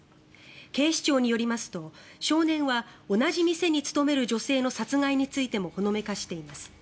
警視庁によりますと少年は同じ店に勤める女性の殺害についてもほのめかしています。